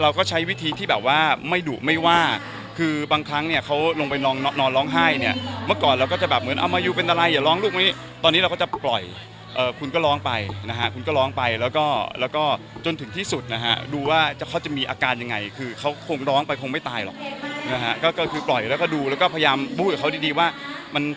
เราก็ใช้วิธีที่แบบว่าไม่ดุไม่ว่าคือบางครั้งเนี่ยเขาลงไปนอนร้องไห้เนี่ยเมื่อก่อนเราก็จะแบบเหมือนเอามายูเป็นอะไรอย่าร้องลูกไว้ตอนนี้เราก็จะปล่อยคุณก็ร้องไปนะฮะคุณก็ร้องไปแล้วก็แล้วก็จนถึงที่สุดนะฮะดูว่าเขาจะมีอาการยังไงคือเขาคงร้องไปคงไม่ตายหรอกนะฮะก็คือปล่อยแล้วก็ดูแล้วก็พยายามพูดกับเขาดีดีว่ามัน